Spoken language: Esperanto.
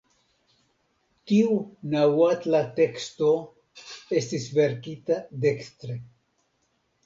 Tiu naŭatla teksto estis verkita dekstre.